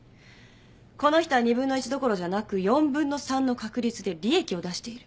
この人は２分の１どころじゃなく４分の３の確率で利益を出している。